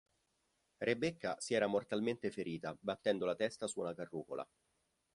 Rebecca si era mortalmente ferita battendo la testa su una carrucola.